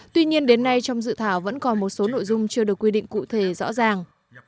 tuy nhiên đến nay trong dự thảo vẫn còn một số nội dung chưa được quy định cụ thể rõ ràng